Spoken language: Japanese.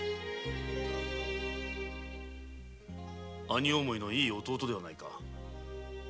兄思いのいい弟じゃないか。